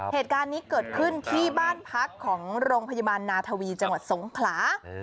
เหตุการณ์นี้เกิดขึ้นที่บ้านพักของโรงพยาบาลนาธวีจังหวัดสงขลา